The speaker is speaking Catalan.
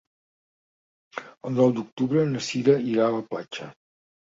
El nou d'octubre na Sira irà a la platja.